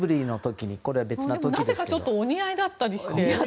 なぜかお似合いだったりして。